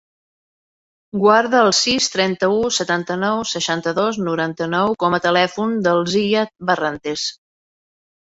Guarda el sis, trenta-u, setanta-nou, seixanta-dos, noranta-nou com a telèfon del Ziyad Barrantes.